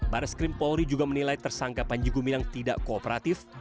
baris krim polri juga menilai tersangka panji gumilang tidak kooperatif